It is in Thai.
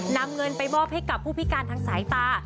นำเงินไปมอบให้กับผู้พิการทางสายตา